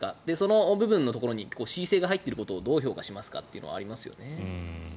その部分のところに申請が入っているところをどう評価しますかというのがありますね。